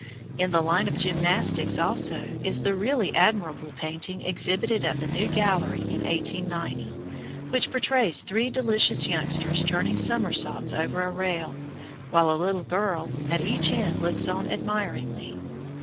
In the line of gymnastics, also, is the really admirable painting exhibited at the New Gallery in 1890, which portrays three delicious youngsters turning somersaults over a rail, while a little girl at each end looks on admiringly.